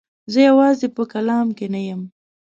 زه یوازې په کالم کې نه یم.